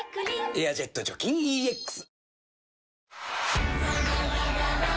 「エアジェット除菌ＥＸ」